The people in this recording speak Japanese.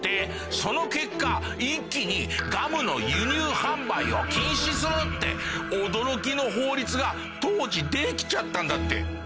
その結果一気にガムの輸入・販売を禁止するって驚きの法律が当時できちゃったんだって。